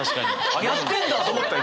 あっやってんだと思ったよ